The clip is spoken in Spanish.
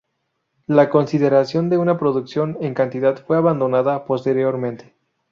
La consideración de una producción en cantidad fue abandonada posteriormente.